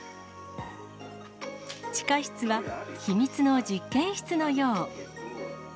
地下室は、秘密の実験室のよう。